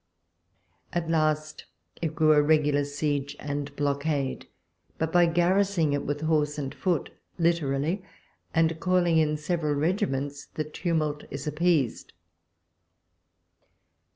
At last it grew a regular siege and block ade ; but by garrisoning it with horse and foot literally, and calling in several regiments, the tumult is appeased.